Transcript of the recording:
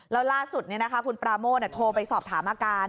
แล้วล่าสุดคุณปราโม่โทรไปสอบถามอาการ